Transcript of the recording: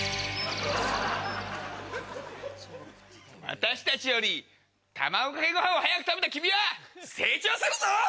私たちより卵がけご飯を早く食べた君は成長するぞ！